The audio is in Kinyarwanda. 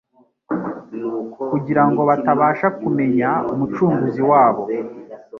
kugira ngo batabasha kumenya Umucunguzi wabo